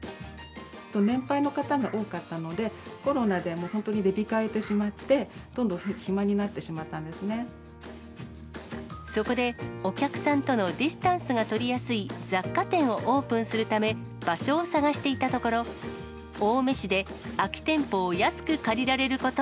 年配の方が多かったので、コロナで本当に出控えてしまって、どんどん暇になってしまったんでそこで、お客さんとのディスタンスが取りやすい雑貨店をオープンするため、場所を探していたところ、青梅市で空き店舗を安く借りられること